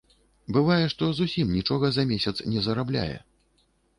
Бывае, што зусім нічога за месяц не зарабляе!